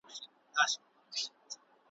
بوی د مشکو د عنبر سو.